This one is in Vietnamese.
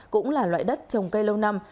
cũng là loại đất trồng cây lâu năm